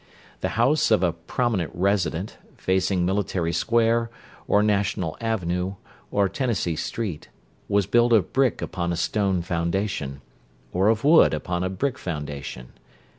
The house of a "prominent resident," facing Military Square, or National Avenue, or Tennessee Street, was built of brick upon a stone foundation, or of wood upon a brick foundation.